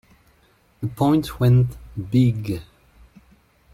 The point went big.